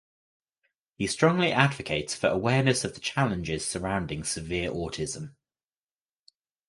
He strongly advocates for awareness for the challenges surrounding severe autism.